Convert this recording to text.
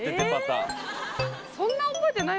そんな覚えてない。